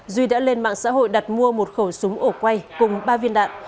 duy đã lên mạng xã hội đặt mua một khẩu súng ổ quay cùng ba viên đạn